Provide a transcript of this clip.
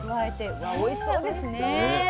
うわっおいしそうですね！